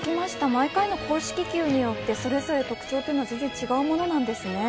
毎回の公式球によってそれぞれ特徴が違うものなんですね。